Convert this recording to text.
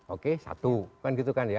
oke satu kan gitu kan ya